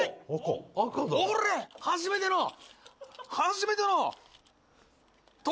「俺初めての初めての」